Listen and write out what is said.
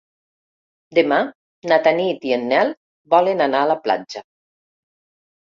Demà na Tanit i en Nel volen anar a la platja.